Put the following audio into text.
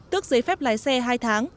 tước giấy phép lái xe hai tháng